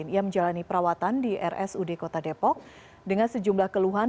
ia menjalani perawatan di rsud kota depok dengan sejumlah keluhan